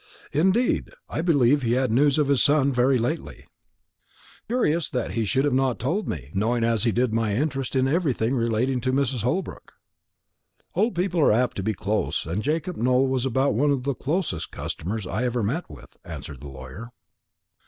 "Indeed! I believe he had news of his son very lately." "Curious that he should not have told me, knowing as he did my interest in everything relating to Mrs. Holbrook." "Old people are apt to be close; and Jacob Nowell was about one of the closest customers I ever met with," answered the lawyer.